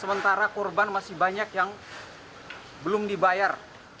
sementara korban masih banyak yang belum dibayar